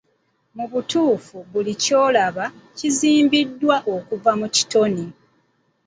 Mu butuufu buli ky'olaba kizimbiddwa okuva mu kitono